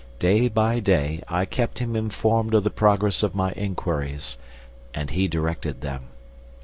Day by day, I kept him informed of the progress of my inquiries; and he directed them.